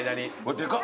でか！